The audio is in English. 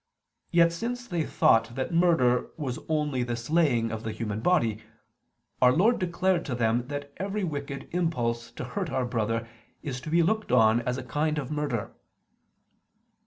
Yet, since they thought that murder was only the slaying of the human body, Our Lord declared to them that every wicked impulse to hurt our brother is to be looked on as a kind of murder."